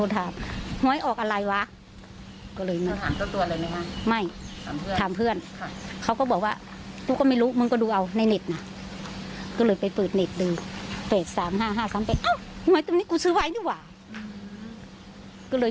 สามห้าห้าสามเป็นอ้าวห้วยตรงนี้กูซื้อไว้นี่ว่ะก็เลย